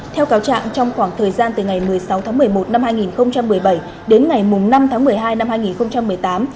theo cáo trạng trong khoảng thời gian từ ngày một mươi sáu tháng một mươi một năm hai nghìn một mươi bảy đến ngày năm tháng một mươi hai năm hai nghìn một mươi tám